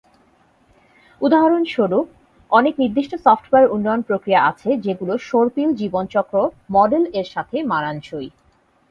উদাহরণস্বরূপ, অনেক নির্দিষ্ট সফটওয়্যার উন্নয়ন প্রক্রিয়া আছে যেগুলো সর্পিল জীবনচক্র "মডেল"-এর সাথে মানানসই।